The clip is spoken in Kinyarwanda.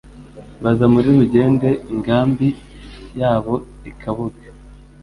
Baza muri Rugende ingambi yabo i Kabuga